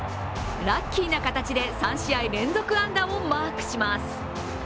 ラッキーな形で３試合連続安打をマークします。